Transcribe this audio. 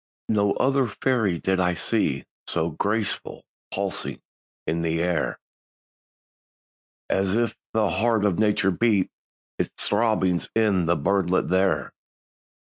No other fairy did I see So graceful, pulsing, in the air, As if the heart of nature beat Its throbbings in the birdlet there.